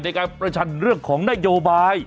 ในการประชันเรื่องของนโยบาย